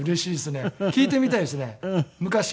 聞いてみたいですね昔の。